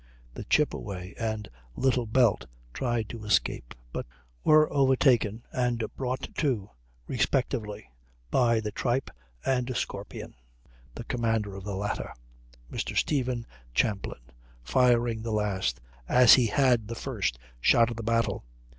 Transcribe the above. The Chippeway and Little Belt tried to escape, but were overtaken and brought to respectively by the Trippe and Scorpion, the commander of the latter, Mr. Stephen Champlin, firing the last, as he had the first, shot of the battle.